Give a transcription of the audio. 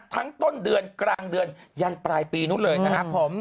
ต้นเดือนกลางเดือนยันปลายปีนู้นเลยนะครับผม